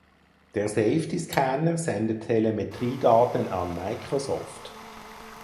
Der Safety Scanner sendet Telemetriedaten an Microsoft.